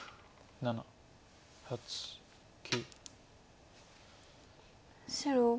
７８９。